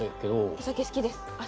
お酒好きですあっ